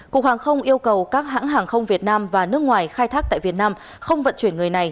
cục hàng không yêu cầu các hãng hàng không việt nam và nước ngoài khai thác tại việt nam không vận chuyển người này